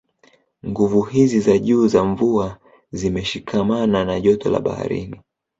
Nguvu hizi za juu za mvua zimeshikamana na joto la baharini